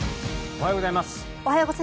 おはようございます。